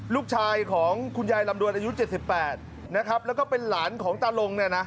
ลูกชายของคุณยายลำดวนอายุ๗๘นะครับแล้วก็เป็นหลานของตาลงเนี่ยนะ